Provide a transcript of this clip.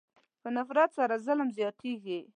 په نفرت سره ظلم زیاتېږي.